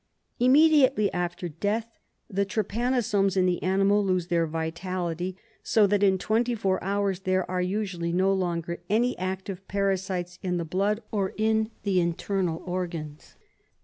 Immediately after death, the trypanosomes in the animal lose their vitality, so that in twenty four hours there are usually no longer any active parasites in the blood or in the internal organs.